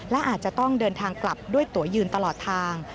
และอาจจะต้องเดินทางกลับด้วยตัวยืนตลอดทาง